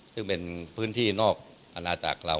ซึ่งเป็นพื้นที่นอกอาณาจักรเรา